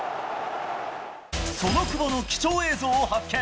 その久保の貴重映像を発見。